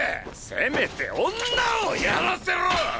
せめて女を殺らせろ！